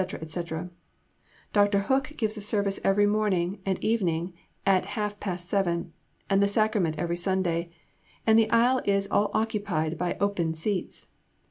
&c. Dr. Hook gives a service every morning and evening at 1/2 p. 7, and the Sacrament every Sunday; and the aisle is all occupied by open seats.